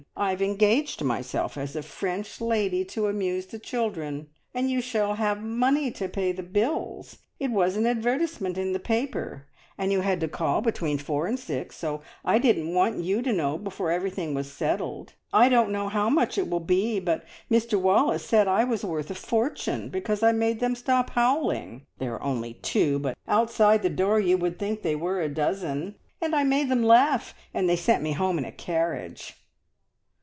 I've engaged myself as a French lady to amuse the children, and you shall have the money to pay the bills. It was an advertisement in the paper, and you had to call between four and six, so I didn't want you to know before everything was settled. I don't know how much it will be, but Mr Wallace said I was worth a fortune, because I made them stop howling. There are only two, but outside the door you would think they were a dozen, and I made them laugh, and they sent me home in a carriage."